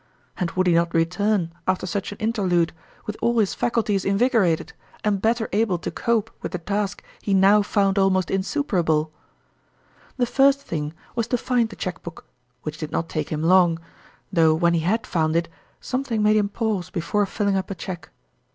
And would he not return after such an interlude with all his faculties invigorated, and better able to cope with the task he now found almost insuperable ? The first thing was to find the cheque book, which did not take him long ; though when he had found it, something made him pause be fore filling up a cheque.